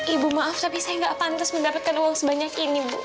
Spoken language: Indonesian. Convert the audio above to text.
ibu maaf tapi saya nggak pantas mendapatkan uang sebanyak ini bu